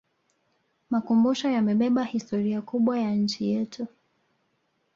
makumusho yamebeba historia kubwa ya nchi yetu